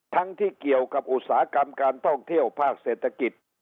ที่เกี่ยวกับอุตสาหกรรมการท่องเที่ยวภาคเศรษฐกิจ